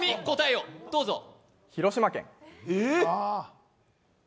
広島県。